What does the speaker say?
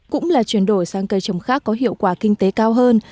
cũng là chuyển đổi sang cây trồng khác có hiệu quả kinh tế cao hơn